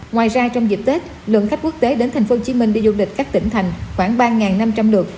ngoài ra trong dịp tết lượng khách quốc tế đến tp hcm đi du lịch các tỉnh thành khoảng ba năm trăm linh lượt